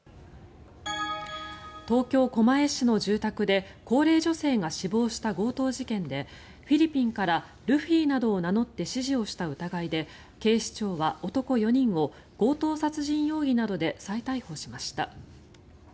東京・狛江市の住宅で高齢女性が死亡した強盗事件でフィリピンからルフィなどを名乗って指示をした疑いで警視庁は男４人を強盗殺人容疑などで再逮捕しました。